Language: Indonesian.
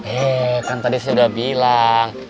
eh kan tadi saya udah bilang